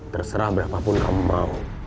terserah berapa pun kamu mau